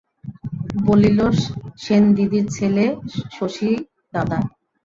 বলিল, সেনদিদির ছেলে শশীদাদা।